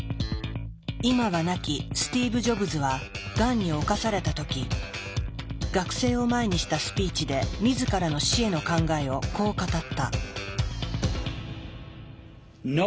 今は亡きスティーブ・ジョブズはがんに侵された時学生を前にしたスピーチで自らの死への考えをこう語った。